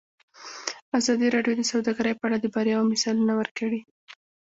ازادي راډیو د سوداګري په اړه د بریاوو مثالونه ورکړي.